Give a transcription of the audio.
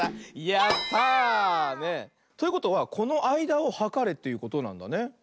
やった！ということはこのあいだをはかれということなんだね。